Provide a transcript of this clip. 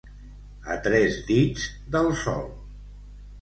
A tres dits del sol.